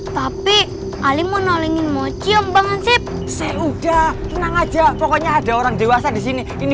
tapi ali mau nolengin mochi bang hansip saya udah tenang aja pokoknya ada orang dewasa di sini ini